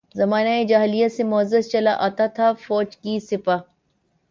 زمانہ جاہلیت سے معزز چلا آتا تھا، فوج کی سپہ